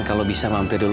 kalau bisa mampir dulu